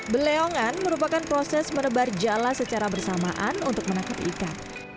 beleongan merupakan proses merebar jala secara bersamaan untuk menangkap ikan